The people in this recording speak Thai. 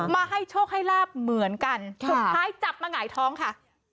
มาให้โชคให้ลาบเหมือนกันสุดท้ายจับมาหงายท้องค่ะ